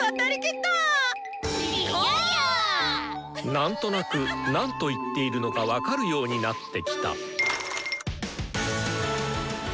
何となくなんと言っているのか分かるようになってきた。